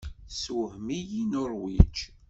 Tessewhem-iyi Nuṛwij.